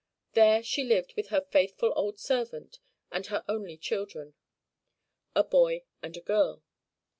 There she lived with her faithful old servant and her only children, a boy and girl.